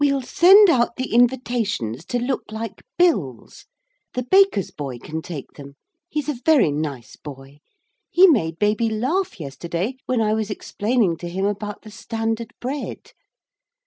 ] 'We'll send out the invitations to look like bills. The baker's boy can take them. He's a very nice boy. He made baby laugh yesterday when I was explaining to him about the Standard Bread.